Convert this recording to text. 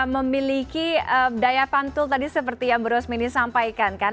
memiliki daya pantul tadi seperti yang berusmini sampaikan kan